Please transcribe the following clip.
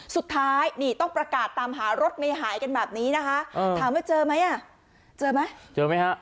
สุดท้ายนี่ต้องประกาศตามหารถไม่หายกันแบบนี้นะคะถามว่าเจอไหมอ่ะเจอไหมเจอไหมฮะ